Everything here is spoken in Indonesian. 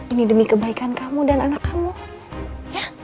ini demi kebaikan kamu dan anak kamu